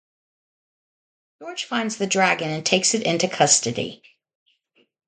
George finds the dragon and takes it into custody.